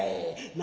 何？